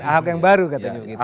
ahok yang baru katanya